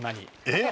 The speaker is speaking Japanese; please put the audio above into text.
えっ！